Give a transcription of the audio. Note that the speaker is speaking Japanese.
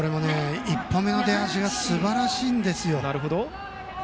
１歩目の出足がすばらしいんですよ。